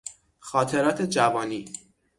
خاطرات جوانی